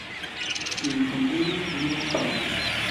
Ĉiuj fundiris, li respondis.